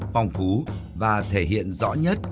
phong phú và thể hiện rõ nhất